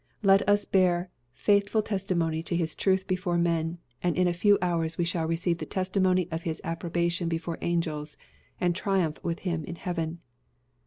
Let us bear faithful testimony to his truth before men, and in a few hours we shall receive the testimony of his approbation before angels, and triumph with him in heaven.